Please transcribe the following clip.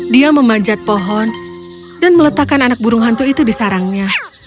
dia memanjat pohon dan meletakkan anak burung hantu itu di sarangnya